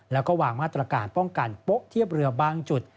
แล้วก็วางมาตรการป้องกันโป๊ะเทียบเรือบางจุด